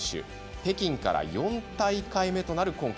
北京から４大会目となる今回。